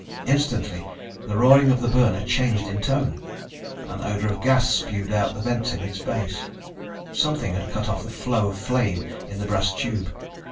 Instantly the roaring of the burner changed in tone; an odor of gas spewed out of the vents at its base. Something had cut off the flow of flame in the brass tube.